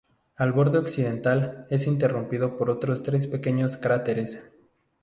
El borde occidental es interrumpido por otros tres pequeños cráteres.